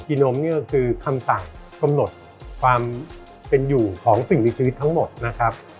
กินมนี่ก็คือคำสั่งกำหนดความเป็นอยู่ของสิ่งมีชีวิตทั้งหมดนะครับ